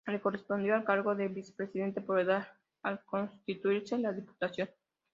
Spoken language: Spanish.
Le correspondió el cargo de vicepresidente, por edad, al constituirse la Diputación.